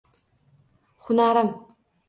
Hunarim.